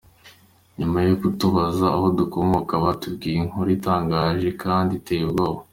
Nyuma yo kutubaza aho dukomoka batubwiye inkuru itangaje kandi iteye ubwoba.